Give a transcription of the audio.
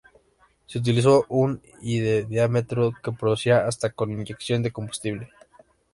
Se utilizó un y de diámetro que producía hasta con inyección de combustible.